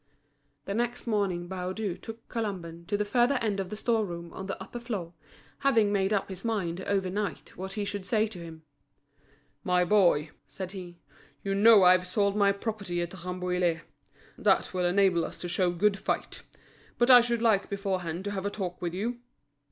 The next morning Baudu took Colomban to the further end of the store room on the upper floor, having made up his mind over night what be should say to him. "My boy," said he, "you know I've sold my property at Rambouillet. That will enable us to show good fight. But I should like beforehand to have a talk with you."